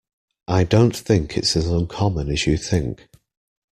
I don't think it's as uncommon as you think.